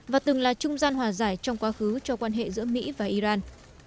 và từng là trung gian hòa giải trong quá khứ cho quan hệ giữa mỹ và iran